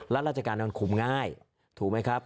ราชการมันคุมง่ายถูกไหมครับ